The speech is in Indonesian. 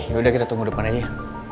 yaudah kita tunggu depan aja